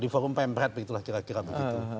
di forum pemret begitulah kira kira begitu